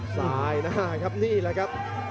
สายหน้าครับนี่แหละครับ